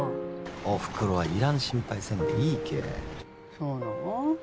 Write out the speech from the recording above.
お袋はいらん心配せんでいいけそうなが？